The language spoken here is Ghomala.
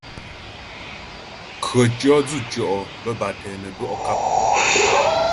Khətʉɔ̌ dzʉtʉɔ' bə́́ bâ tɛ nə́ dwɔ' kap.